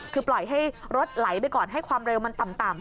คือปล่อยให้รถไหลไปก่อนให้ความเร็วมันต่ำ